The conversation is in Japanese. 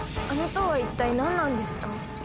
あの塔は一体何なんですか？